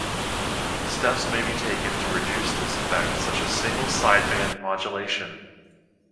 Steps may be taken to reduce this effect, such as single-sideband modulation.